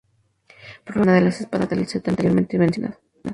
Probablemente fue una de las espadas del set anteriormente mencionado.